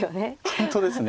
本当ですね。